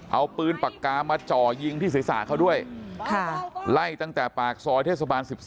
เอาปืนปากกามาจ่อยิงที่ศีรษะเขาด้วยไล่ตั้งแต่ปากซอยเทศบาล๑๓